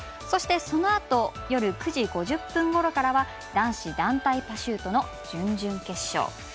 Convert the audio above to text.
そして、そのあと夜９時５０分ごろからは男子団体パシュートの準々決勝。